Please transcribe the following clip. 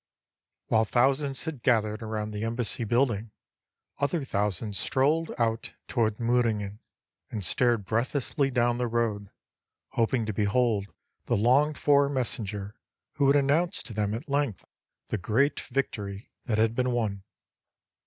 ] While thousands had gathered around the embassy building, other thousands strolled out toward Mohrin gen, and stared breathlessly down the road, hoping to behold the longed for messenger who would announce to them at length the great victory that had been won.